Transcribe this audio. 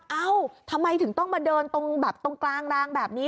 เอ้าทำไมถึงต้องมาเดินตรงแบบตรงกลางรางแบบนี้